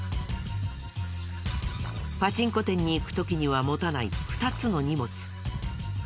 パチンコ店に行く時には持たない２つの荷物。